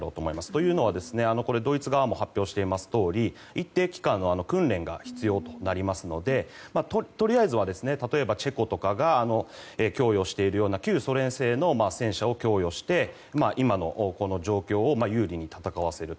というのはドイツ側も発表しいてるとおり一定期間の訓練が必要となりますのでとりあえずはチェコとかが供与しているような旧ソ連製の戦車を供与して今の状況を有利に戦わせる。